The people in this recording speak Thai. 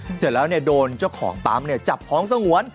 เสร็จแล้วเนี่ยโดนเจ้าของตามเนี่ยจับของสงหวน